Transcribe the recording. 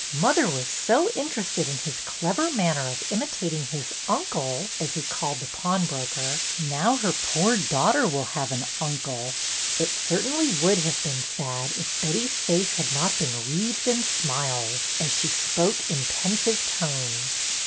Mother was so interested in his clever manner of imitating "UNCLE" GOLDSTEIN 175 his ' uncle/ as he called the pawnbroker. Now her poor daughter will have an ' uncle.' " It certainly would have been sad, if Betty's face had not been wreathed in smiles, as she spoke in pensive tones.